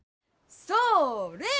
それ！